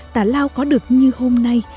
tà lao có được như hôm nay